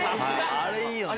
あれいいよね。